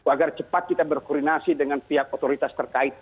agar cepat kita berkoordinasi dengan pihak otoritas terkait